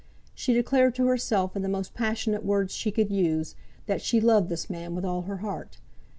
She declared to herself, in the most passionate words she could use, that she loved this man with all her heart.